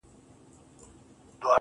مسافرۍ کي دي ايره سولم راټول مي کړي څوک؟